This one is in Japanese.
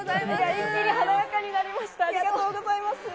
一気に華やかになりました。